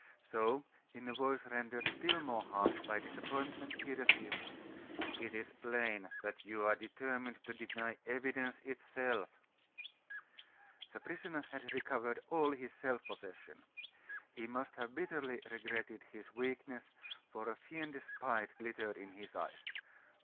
So, in a voice rendered still more harsh by disappointment, he resumed: "It is plain that you are determined to deny evidence itself." The prisoner had recovered all his self possession. He must have bitterly regretted his weakness, for a fiendish spite glittered in his eyes.